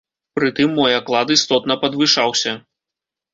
Пры тым мой аклад істотна падвышаўся.